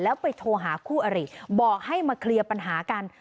แล้วไปโทรหาคู่อริบอกให้มาเคลียร์ปัญหากัน